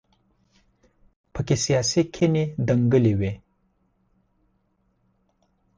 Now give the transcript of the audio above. په کې سیاسي کینې دنګلې وي.